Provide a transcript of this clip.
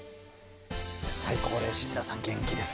最高齢史の皆さん、元気です